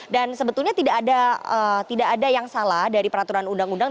dan sebetulnya tidak ada yang salah dari peraturan undang undang